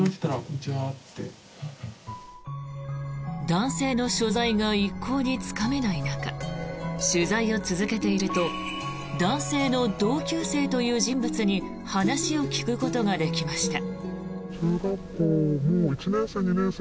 男性の所在が一向につかめない中取材を続けていると男性の同級生という人物に話を聞くことができました。